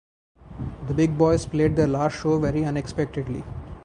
The Big Boys played their last show very unexpectedly.